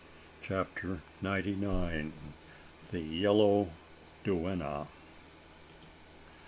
CHAPTER NINETY NINE. THE YELLOW DUENNA.